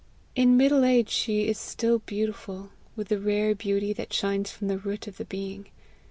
In middle age she is still beautiful, with the rare beauty that shines from the root of the being.